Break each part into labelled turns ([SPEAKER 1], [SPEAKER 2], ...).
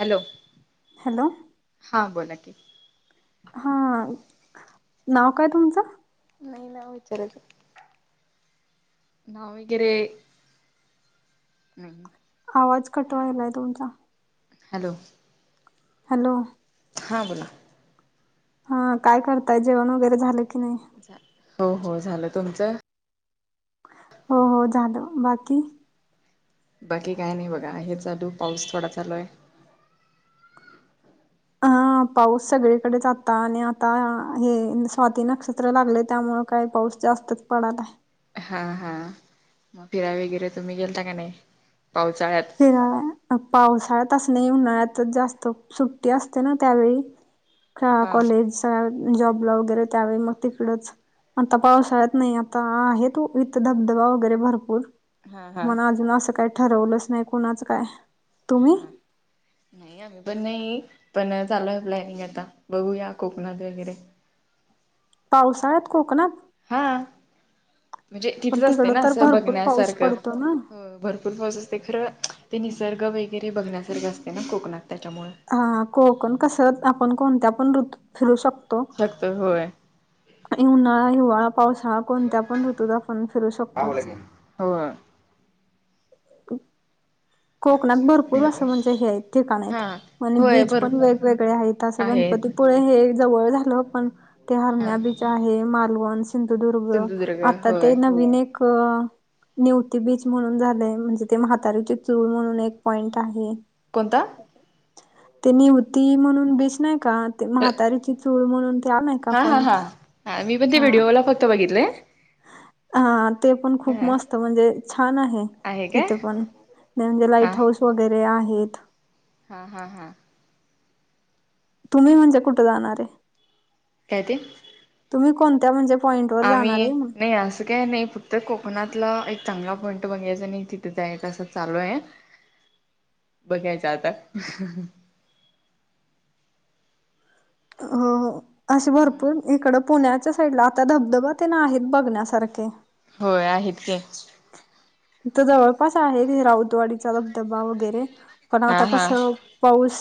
[SPEAKER 1] Hello.
[SPEAKER 2] Hello.
[SPEAKER 1] हा बोला की?
[SPEAKER 2] हा नाव काय तुमचं?
[SPEAKER 1] नाही नावं विचारच. नावं वगैरे-
[SPEAKER 2] आवाज कटवायला आहे तुमचा.
[SPEAKER 1] हॅलो.
[SPEAKER 2] हॅलो..
[SPEAKER 1] हां बोला.
[SPEAKER 2] हा काय करताय जेवण वगैरे झालं की नाही?
[SPEAKER 1] हो हो झालं तुमचं?
[SPEAKER 2] हो हो झालं बाकी.
[SPEAKER 1] बाकी काय नाही बघा हे चालू पाऊस थोडा चालू आहे.
[SPEAKER 2] हा पाऊस सगळीकडे आता. आता आणि आता हे स्वाती नक्षत्र लागले त्यामुळे काही पाऊस जास्तच पडालाय.
[SPEAKER 1] हां हां मग फिराय वगैरे तुम्ही गेलता का नाही पावसाळ्यात.
[SPEAKER 2] फिराया. अ पावसाळ्यात असं नाही उन्हाळ्यातच जास्त सुट्टी असते ना त्यावेळी. शाळा
[SPEAKER 1] हा
[SPEAKER 2] कॉलेज जॉबला वगैरे त्यावेळी मग तिकडच. आता पावसाळ्यात नाही आता आहे तू इथ धबधबा वगैरे भरपूर.
[SPEAKER 1] हा हा
[SPEAKER 2] मना अजून असं काही ठरवलंच नाही कुणाच काय. तुम्ही
[SPEAKER 1] हां. नाही आम्ही पण नाही पण चालू आहे प्लॅनिंग आता बघूया कोकणात वगैरे.
[SPEAKER 2] पावसाळ्यात कोकणात?
[SPEAKER 1] हा म्हणजे
[SPEAKER 2] पण
[SPEAKER 1] तिथेच
[SPEAKER 2] तिकड
[SPEAKER 1] असते ना
[SPEAKER 2] तर
[SPEAKER 1] असं
[SPEAKER 2] भरपूर पाऊस
[SPEAKER 1] बघण्यासारखं
[SPEAKER 2] पडतो ना
[SPEAKER 1] भरपूर. पाऊस असते खरं ते निसर्ग वगैरे बघण्यासारखे असते ना कोकणात त्याच्यामुळे.
[SPEAKER 2] ह कोकण कसं आपण कोणत्या पण ऋतू फिरू शकतो.
[SPEAKER 1] शकतो होय.
[SPEAKER 2] उन्हाळा हिवाळा पावसाळा कोणत्या पण ऋतूत आपण फिरू शकतोच.
[SPEAKER 1] होय.
[SPEAKER 2] [inaudible] कोकणात भरपूर असं म्हणजे हे आहेत ठिकाण
[SPEAKER 1] हा
[SPEAKER 2] आहेत. आणि
[SPEAKER 1] होय
[SPEAKER 2] बीच
[SPEAKER 1] बरोबर
[SPEAKER 2] पण वेगवेगळे आहेत असं
[SPEAKER 1] आहेत
[SPEAKER 2] गणपतीपुळे हे - जवळ झाल पण ते
[SPEAKER 1] हा.
[SPEAKER 2] हरण्या बीच आहे मालवण सिंधुदुर्ग
[SPEAKER 1] सिंधुदुर्ग
[SPEAKER 2] आता
[SPEAKER 1] होय
[SPEAKER 2] ते नवीन एक अ.. नेवती बीच म्हणून झालंय, म्हणजे ते म्हातारीची- चूळ म्हणून एक पॉइंट आहे.
[SPEAKER 1] कोणता?
[SPEAKER 2] ते निवती म्हणून, बीच नाही का? ते म्हातारीची चूळ म्हणून, ते आ नाय का
[SPEAKER 1] हा
[SPEAKER 2] पॉइंट? हा.
[SPEAKER 1] तू बघितलंय?
[SPEAKER 2] हा, ते पण खूप
[SPEAKER 1] ह.
[SPEAKER 2] मस्त म्हणजे छान आहे, तिथ पण म्हणजे
[SPEAKER 1] हा
[SPEAKER 2] लाईट हाऊस- वगैरे आहेत.
[SPEAKER 1] हा, हा, हा.
[SPEAKER 2] तुम्ही म्हणजे, कुठं जाणार ये?
[SPEAKER 1] काय ते?
[SPEAKER 2] तुम्ही कोणत्या म्हणजे- पॉईंट वर
[SPEAKER 1] आम्ही
[SPEAKER 2] जाणार आहे मग?
[SPEAKER 1] नाही असं काय नाही, फ- क्त कोकणातला एक चांगला पॉईंट बघायचं आणि तिथ जायचं असं चालू हाय. बघायच आता.
[SPEAKER 2] हो, हो अशे भरपूर इकडं- पुण्याच्या साईडला आता धबधबा तेन आहेत, बघण्यासारखे.
[SPEAKER 1] होय, आहेत कि.
[SPEAKER 2] इथ जवळपास आहे, राऊतवाडीचा धबधबा वगैरे, पण
[SPEAKER 1] हा
[SPEAKER 2] आता
[SPEAKER 1] हा
[SPEAKER 2] कसं- पाऊस,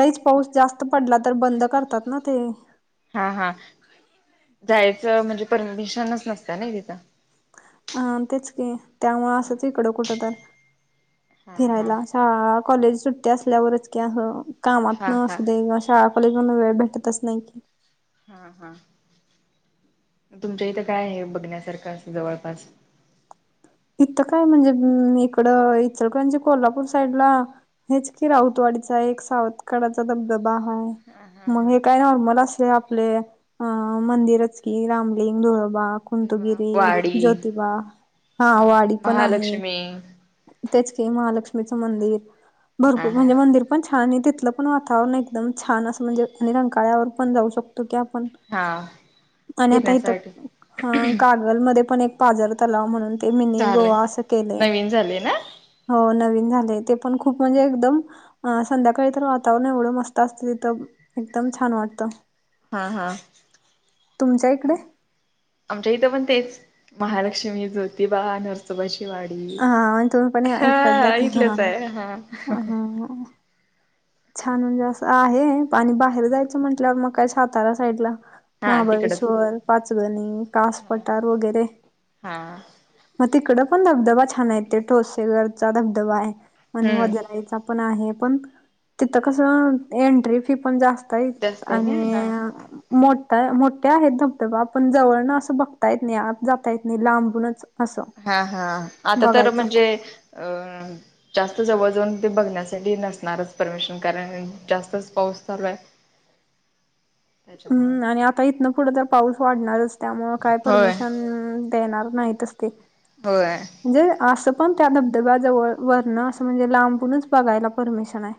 [SPEAKER 2] लईच पाऊस जास्त पडला तर, बंद करतात ना ते.
[SPEAKER 1] हा, हा, जायचं म्हणजे परमिशनच नसत्या ना तिथं.
[SPEAKER 2] अं तेच की, त्यामुळं असच इकडं कुठं तर फिरायला. हा, हा, कॉलेज सुट्टी असल्यावरच की, हो कामातन
[SPEAKER 1] हा हा
[SPEAKER 2] असुदे- शाळा कॉलेजमधनं वेळ भेटतच नाही की.
[SPEAKER 1] हा, हा तुमच्या इथं काय आहे, बघण्यासारखं अस जवळपास?
[SPEAKER 2] इथं काय म्हणजे इकडं इचलकरंजी, कोल्हापूर साईडला- हेच की, राऊतवाडीचा एक सावतकडाचा धबधबा हा.
[SPEAKER 1] हा
[SPEAKER 2] मग
[SPEAKER 1] हा
[SPEAKER 2] हे काय नॉर्मल असतंय, आप- ले अ मंदिरच कि, रामलिंग, धुलोबा, - कुंथुगिरी,
[SPEAKER 1] वाडी
[SPEAKER 2] ज्योतिबा हा
[SPEAKER 1] हम्म
[SPEAKER 2] वाडी पण आहे.
[SPEAKER 1] [unintelligible]
[SPEAKER 2] तेच कि, महालक्ष्मीचं मंदिर
[SPEAKER 1] हा
[SPEAKER 2] भरपूर
[SPEAKER 1] हा
[SPEAKER 2] म्हणजे मंदिर- पण छान आहे, तिथलं पण वातावरण एकदम छान असं म्हणजे आणि रंकाळ्यावर पण जाऊ शकतो की आपण-
[SPEAKER 1] हा
[SPEAKER 2] आणि आता इथं,
[SPEAKER 1] फिरण्यासाठी
[SPEAKER 2] हा. का- कागलमध्ये पण एक पाजर तलाव म्हणून, ते मिनी गोवा असं केलंय.
[SPEAKER 1] [unintelligible] झालंय ना.
[SPEAKER 2] हो, नवीन झालय, ते पण खूप म्हणजे एकदम- अ संध्याकाळी तर वातावरण एवढं मस्त असतंय, तिथं एकदम छान वाटतं.
[SPEAKER 1] हा, हा.
[SPEAKER 2] तुमच्या इकडे?
[SPEAKER 1] आमच्या इथं पण तेच महालक्ष्मी, ज्योतिबा, नरस- सोबाची वाडी.
[SPEAKER 2] हां, आणि तुम्ही पण या
[SPEAKER 1] हा,
[SPEAKER 2] इकडल्याच हां,
[SPEAKER 1] इथलेच
[SPEAKER 2] हां.
[SPEAKER 1] आहे, हा.
[SPEAKER 2] हां, हां. छान म्हणजे असं आहे आणि बाहेर जायचं म्हटल्यावर, मग काय सातारा साईडला.
[SPEAKER 1] हा तिकडच
[SPEAKER 2] महाबळेश्वर, पाचगणी,
[SPEAKER 1] हा.
[SPEAKER 2] कासपठार वगैरे.
[SPEAKER 1] हा
[SPEAKER 2] मग तिकड पण धबधबा छान आहे, ते तोलशेवरचा धबधबा हाय आणि
[SPEAKER 1] हम्म
[SPEAKER 2] वजराईचा- पण आहे पण- तिथं कसं एंट्री फी पण जास्त आहे
[SPEAKER 1] जास्त
[SPEAKER 2] आणि
[SPEAKER 1] आहे का हा.
[SPEAKER 2] मोठा मोठे आहेत. धबधबा पण जवळन असं बघता येत नाही. आत जाता येत नाही. लांबूनच असं
[SPEAKER 1] हा हा आता तर
[SPEAKER 2] बघायचं
[SPEAKER 1] म्हणजे!
[SPEAKER 2] फक्त
[SPEAKER 1] अ जास्त जवळ जाऊन ते बघण्यासाठी नसणारच परमिशन कारण जास्तच पाऊस चालू आहे. [inaudible] त्याच्यामुळं
[SPEAKER 2] हम्म आणि आता इथनं पुढं तर पाऊस वाढणारच त्यामुळ काय
[SPEAKER 1] होय
[SPEAKER 2] परमिशन देणार नाहीतच. ते
[SPEAKER 1] होय.
[SPEAKER 2] म्हणजे असं! पण त्या धबधब्या जवळ वरण असं म्हणजे लांबूनच बघायला परमिशन आहे.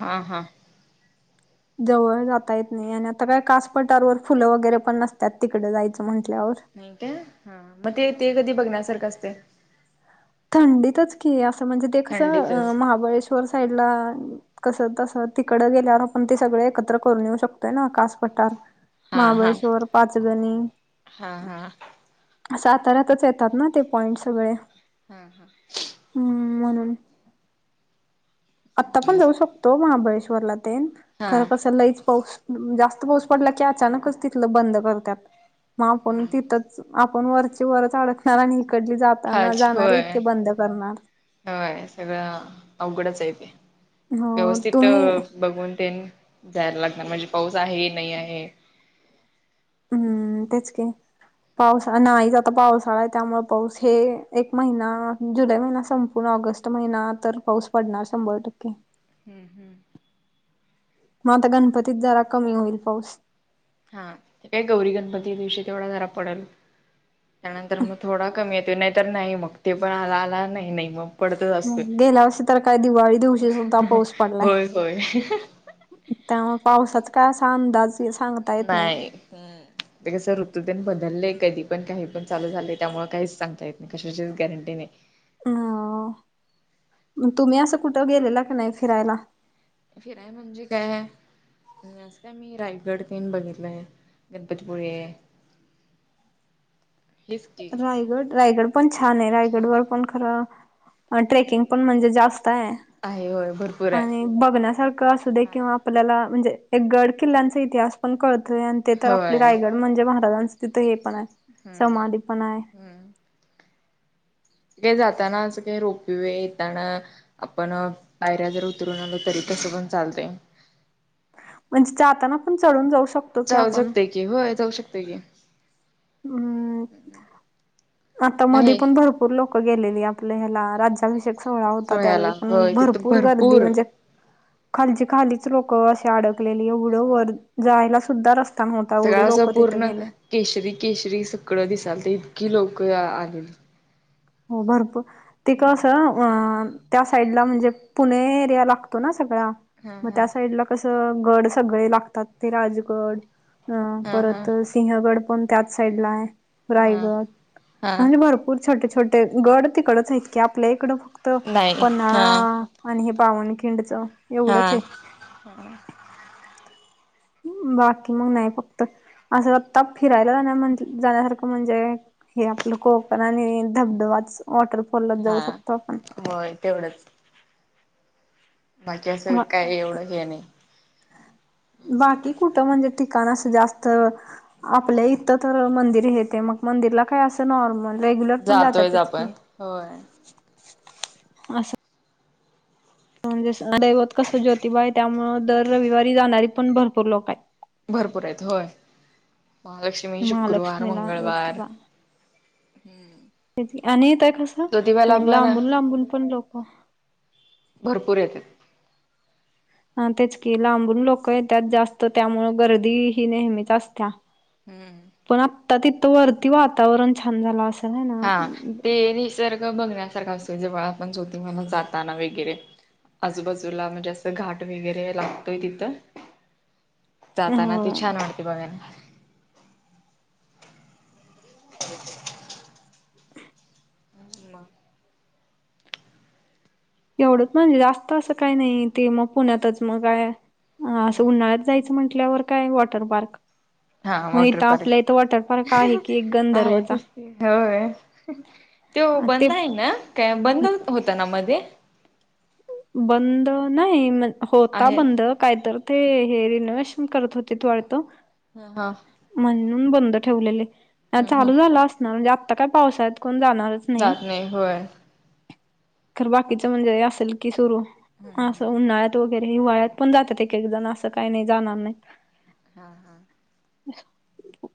[SPEAKER 1] हा हा
[SPEAKER 2] जवळ जाता येत नाही. आणि आता काय कासपटारवर फुलं वगैरे पण नसतात. तिकडं जायचं म्हटल्यावर.
[SPEAKER 1] नाही का! मग ते ते कधी बघण्यासारखं असते?
[SPEAKER 2] थंडीतच की असं म्हणजे ते कसं!
[SPEAKER 1] थंडीतच.
[SPEAKER 2] महाबळेश्वर साईडला कसं तस तिकड गेल्यावर आपण ते सगळे एकत्र करून येऊ शकतोय. ना कासपटार
[SPEAKER 1] हा हा
[SPEAKER 2] महाबळेश्वर, पाचगणी
[SPEAKER 1] हा हा
[SPEAKER 2] सातारातच येतात. ना ते पॉईंट सगळे
[SPEAKER 1] हा हा
[SPEAKER 2] हम्म म्हणून आत्ता पण
[SPEAKER 1] हा.
[SPEAKER 2] जाऊ शकतो. महाबळेश्वरला ते
[SPEAKER 1] हा
[SPEAKER 2] खरं कसं लईच पाऊस जास्त पाऊस पडला. की अचानकच तिथ बंद करतात. म आपण तिथच आपण वरची वरच अडकणार आणि इकडली जाताना. जाणारे इतके बंद करणार
[SPEAKER 1] वय सगळं अवघडचं तेे
[SPEAKER 2] हो
[SPEAKER 1] व्यवस्थित
[SPEAKER 2] तुम्ही
[SPEAKER 1] बघून तेन जायला लागणार. म्हणजे पाऊस आहे नाही आहे.
[SPEAKER 2] हम्म तेच की पावस नाहीच आता पावसाळा आहे. त्यामुळे पाऊस हे एक महिना जुलै महिना संपूर्ण ऑगस्ट महिना तर पाऊस पडणार शंभर टक्के!
[SPEAKER 1] हम्म हम्म
[SPEAKER 2] मग आता गणपतीत जरा कमी होईल पाऊस
[SPEAKER 1] हा काय गौरी गणपती दिवशी तेवढा जरा पडेल. त्यानंतर मग थोडा कमी येत. नाही तर नाही. मग तेव्हा आला नाही नाही. मग पडतच असतोय.
[SPEAKER 2] गेल्या वर्षी तर काय! दिवाळी दिवशी सुद्धा पाऊस पडलाय.
[SPEAKER 1] होय होय
[SPEAKER 2] त्यामुळे पावसाचा काय असा अंदाज सांगता येत नाही.
[SPEAKER 1] ते कसं! ऋतुजन बदललेय. कधी पण काही पण चालू झालेय. त्यामुळे काहीच सांगता येत नाही. कशाचीच गॅरेंटी नाही.
[SPEAKER 2] अ तुम्ही असं कुठं गेलेला की नाही फिरायला?
[SPEAKER 1] फिराय म्हणजे काय? अस काय मी रायगड काहीन बघितलंय. गणपतीपुळे [inaudible] हेच की
[SPEAKER 2] रायगड रायगड पण छान आहे.
[SPEAKER 1] छान
[SPEAKER 2] रायगडवर
[SPEAKER 1] आहे.
[SPEAKER 2] पण अ ट्रेकिंग पण म्हणजे जास्त आहे.
[SPEAKER 1] आहे होय भरपूर आहे.
[SPEAKER 2] आणि बघण्यासारखं असुदे
[SPEAKER 1] हा
[SPEAKER 2] किंवा आपल्याला म्हणजे एक गड किल्ल्यांचा इतिहास पण कळतोय. आणि ते तर
[SPEAKER 1] होय
[SPEAKER 2] आपले रायगड म्हणजे महाराजाचं तिथं हे पण आहे.
[SPEAKER 1] हम्म
[SPEAKER 2] समाधी पण आहे.
[SPEAKER 1] जे जातना. अस काही रोपवे येेतना. आपण पायऱ्या जर उतरून आलो. तरी चढून पण चालतं.
[SPEAKER 2] म्हणजे जाताना पण चढून जाऊ शक
[SPEAKER 1] [unintelligible] की होय जाऊ शकतय की.
[SPEAKER 2] हम्म. आता मधे
[SPEAKER 1] आहे
[SPEAKER 2] पण भरपूर लोक- -क गेलेली आपल्या ह्याला राज्याभिषेक. सोहळा होता त्यावेळी.
[SPEAKER 1] सोहळ्याला
[SPEAKER 2] पण
[SPEAKER 1] होय तिथं
[SPEAKER 2] भरपूर गर्दी म्हणजे- खालचे खालीच लोक अशी अडकलेली. एवढं वर जायला सुद्धा रस्त- -स्ता न्हवता एवढी
[SPEAKER 1] सगळं असं
[SPEAKER 2] लोकं तिथं
[SPEAKER 1] पूर्ण
[SPEAKER 2] गेलिया.
[SPEAKER 1] केशरी केशरी सगळं दिसायलत इतकी लोक आलेली.
[SPEAKER 2] हो. भरपूर. ते कसं अं. त्या साईडला म्हणजे पुणे एरिया लागतो ना सगळा?
[SPEAKER 1] हा
[SPEAKER 2] मग त्या
[SPEAKER 1] हा
[SPEAKER 2] साईडला- अस गड सगळे लागतात ते राजगड अं.
[SPEAKER 1] हा हा
[SPEAKER 2] परत- सिंहगड पण त्याच साईड ला आहे.
[SPEAKER 1] हा
[SPEAKER 2] रायगड
[SPEAKER 1] हा
[SPEAKER 2] म्हणजे भरपूर छोटे छोटे- ते गड तिकडच आहेत की. आपल्या इकडं फक्त
[SPEAKER 1] नाही हा
[SPEAKER 2] पन्हाळा- आणि हे पावनखिंडच
[SPEAKER 1] हा
[SPEAKER 2] एवढंच आहे. बाकी मग नाही फक्त. असं आत्ता फिरायला जाण्या म्ह जाण्यासारखं म्हणजे हे आपलं कोकण आणि- धबधबाच. वॉटरफॉललाच जाऊ
[SPEAKER 1] हा
[SPEAKER 2] शकतो आपण.
[SPEAKER 1] होय तेवढंच. बाकी असं काय एवढं हे नाही.
[SPEAKER 2] बाकी कुठं? म्हणजे ठिकाण असं जास्त- आपल्या इथं तर मंदिर येते. मग मंदिरला काय असं नॉर्मल. रेग्युलर पण
[SPEAKER 1] जातोयच
[SPEAKER 2] जातातच की
[SPEAKER 1] आपण होय
[SPEAKER 2] अस. म्हणजे अस दैवत कसं ज्योतिबा आहे. त्यामुळं दर रविवारी जाणारी पण भरपूर लोक आहेत.
[SPEAKER 1] भरपूर आहेत. होय. महालक्ष्मी शुक्रवार,
[SPEAKER 2] महालक्ष्मीला
[SPEAKER 1] मंगळवार.
[SPEAKER 2] ज्योतिबा
[SPEAKER 1] हम्म.
[SPEAKER 2] आणि त्या कस? लांबून लांबून पण लोक-
[SPEAKER 1] भरपूर येत्या.
[SPEAKER 2] हां. तेच की. लांबून लोक येत्यात जास्त त्यामुळ गर्दी ही नेहमीच असत्या.
[SPEAKER 1] हम्म.
[SPEAKER 2] पण आत्ता तिथं वरती वातावरण छान झालं असल.
[SPEAKER 1] हां. ते निसर्ग बघण्यासारखा असतो जेव्हा आपण ज्योतिबाला जाताना वगैरे. आजूबाजूला म्हणजे असं घाट वगैरे लागतोय तिथं.
[SPEAKER 2] अ
[SPEAKER 1] जाताना ते छान वाटत बघायला. अ
[SPEAKER 2] एवढंच म्हणजे जास्त असं काही नाही. ते मग पुण्यातच मग काय. हां. असं उन्हाळ्यात जायचं म्हटल्यावर काय वॉटर पार्क.
[SPEAKER 1] हां.
[SPEAKER 2] मग
[SPEAKER 1] वॉटर
[SPEAKER 2] इथं
[SPEAKER 1] पार्क.
[SPEAKER 2] आपल्या इथं वॉटर पार्क आहे की एक गंधर्वचा
[SPEAKER 1] हां. [unintelligible] त्यो
[SPEAKER 2] ते
[SPEAKER 1] बंद आहे ना? काय बंद होता ना मध्ये?
[SPEAKER 2] बंद नाही. म होता
[SPEAKER 1] आहे
[SPEAKER 2] बंद. काय तर ते हे रिनोवेशन करत होते. [unintelligible]
[SPEAKER 1] हां. हां.
[SPEAKER 2] म्हणून बंद ठेवलेले.
[SPEAKER 1] हम्म
[SPEAKER 2] चालू
[SPEAKER 1] हम्म
[SPEAKER 2] झालं असणार म्हणजे आत्ता काय पावसाळ्यात कोण जाणार? [unintelligible] नाही.
[SPEAKER 1] जात होय
[SPEAKER 2] खर बाकीच म्हणजे असेल की सुरू. असं उन्हाळ्यात वगैरे. हिवाळ्यात पण जातात एक एक जण असं काही नाही जाणार नाही.
[SPEAKER 1] हा हा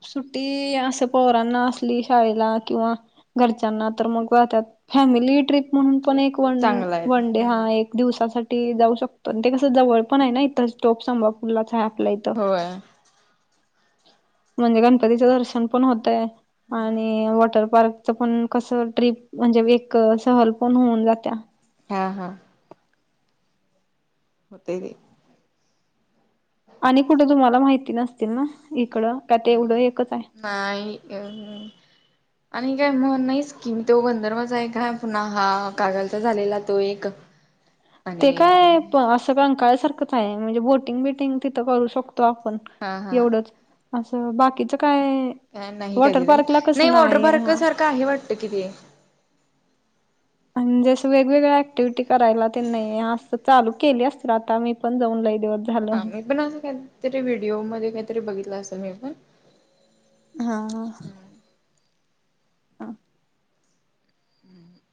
[SPEAKER 2] सुट्टी असं पोरांना असली शाळेला किंवा- घरच्याना तर मग त्या फॅमिली ट्रीप म्हणून पण एक
[SPEAKER 1] ट्रिप
[SPEAKER 2] वन-
[SPEAKER 1] चांगला आहे
[SPEAKER 2] डे हा
[SPEAKER 1] हम्म
[SPEAKER 2] एक दिवसासाठी जाऊ शकतो, ते कस जवळ पण आहे ना इतर टोप संभ- पुरला आहे आपल्या इथं.
[SPEAKER 1] होय
[SPEAKER 2] म्हणजे गणपतीच दर्शन पण होतय,
[SPEAKER 1] हा
[SPEAKER 2] आणि वॉटर पार्क- पण कस ट्रीप म्हणजे एक सहल पण होऊन जात्या.
[SPEAKER 1] हा हा होतेय.
[SPEAKER 2] आणि कुठं तुम्हाला माहिती नसतील ना, इकडं का ते एवढं एकच आहे.
[SPEAKER 1] नाहीय ह- आणि काय म्हण नाहीच किम तो गंधर्वचा एक हाय पुन्हा हा कागालचा झालेला तो एक. [unintelligible]
[SPEAKER 2] ते काय पण असं रकांळा सारखंच आहे, म्हणजे बोटिंग बिटिंग तिथं करू शकतो आपण.
[SPEAKER 1] हा हा
[SPEAKER 2] एवढंच असं बाकीचं काय-
[SPEAKER 1] नाही
[SPEAKER 2] वॉटर
[SPEAKER 1] कधी
[SPEAKER 2] पार्कला
[SPEAKER 1] नाही
[SPEAKER 2] कसं नाही
[SPEAKER 1] वॉटरपार्क
[SPEAKER 2] हा
[SPEAKER 1] सारखं आहे वाटतं किती,
[SPEAKER 2] म्हणजे असं वेगवेगळ्या ऍक्टिव्हटी कयला तेन नाही असं चालू केली असतील, आता मी पण जाऊन लई दिवस झाले.
[SPEAKER 1] हा मी पण असं काहीतरी व्हिडिओ मध्ये काहीतरी बघितला असेल मी पण-
[SPEAKER 2] हा हा हा
[SPEAKER 1] हम् [unintelligible]